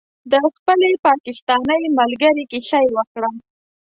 د خپلې پاکستانۍ ملګرې کیسه یې وکړه.